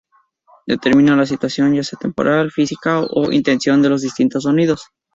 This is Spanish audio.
Determina la situación, ya sea temporal, física o de intención de los distintos sonidos.